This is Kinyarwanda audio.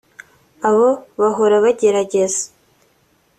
Abo bahora bagerageza